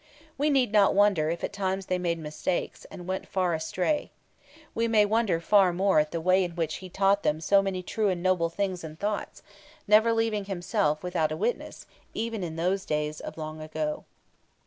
We need not wonder if at times they made mistakes, and went far astray. We may wonder far more at the way in which He taught them so many true and noble things and thoughts, never leaving Himself without a witness even in those days of long ago.